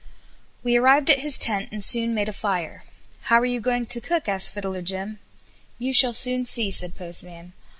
We arrived at his tent, and soon made a fire. "How are you going to cook?" asked Fiddler Jim. "You shall soon see", said Postman.